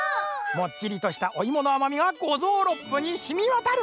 もっちりとしたおいものあまみがごぞうろっぷにしみわたる。